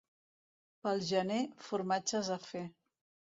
Pel gener, formatges a fer.